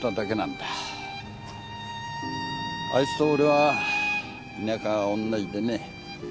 あいつと俺は田舎が同じでね。